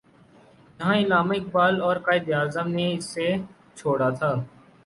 جہاں علامہ اقبال اور قائد اعظم نے اسے چھوڑا تھا۔